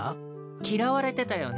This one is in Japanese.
嫌われてたよね？